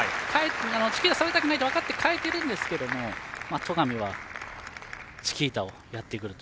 チキータされたくないって分かって、変えているんですけど戸上はチキータをやってくると。